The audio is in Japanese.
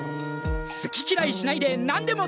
好ききらいしないで何でも食べる！